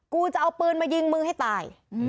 กูจะเอาปืนมายิงมึงให้ตาย